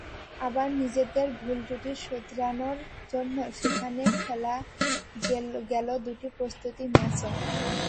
আবার নিজেদের ভুলত্রুটি শোধরানোর জন্য সেখানে খেলা গেল দুটি প্রস্তুতি ম্যাচও।